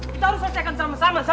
kita harus selesaikan sama sama